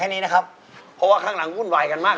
อันนี้แค่ม่วงหมวดเนื้อครับ